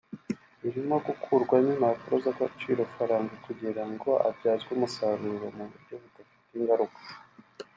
birimo kugurwamo impapuro z’agaciro-faranga kugira ngo abyazwe umusaruro mu buryo budafite ingaruka